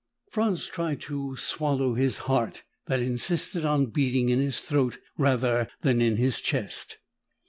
Franz tried to swallow his heart that insisted on beating in his throat, rather than in his chest.